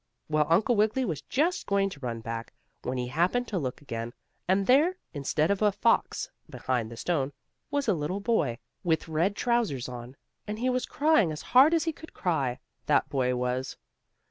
Well, Uncle Wiggily was just going to run back, when he happened to look again, and there, instead of a fox behind the stone, it was a little boy, with red trousers on, and he was crying as hard as he could cry, that boy was.